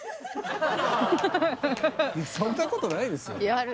そんなことないですよ。